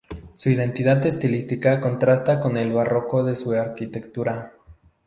Su unidad estilística contrasta con el barroco de su arquitectura.